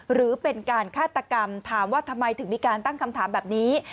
หรือเป็นการฆาตกรรมถามว่าทำไมถึงมีการตั้งคำถามแบบนี้